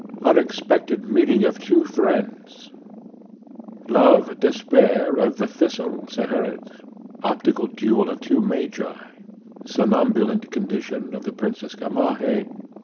Unexpected meeting of two friends. Love despair of the Thistle, Zeherit. Optical duel of two magi. Somnambulant condition of the Princess Gamaheh.